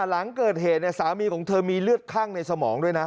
หลังเกิดเหตุสามีของเธอมีเลือดคั่งในสมองด้วยนะ